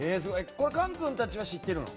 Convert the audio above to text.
これ、簡君たちは知ってるの？